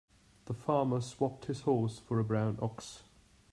The farmer swapped his horse for a brown ox.